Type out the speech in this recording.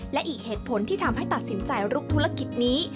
และอีกเหตุผลที่ทำให้ตัดสินใจลุกธุรกิจนี้